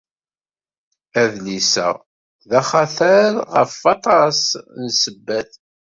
Adlis-a d axatar ɣef waṭas n ssebbat.